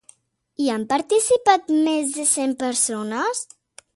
Hi han participat més de cent persones?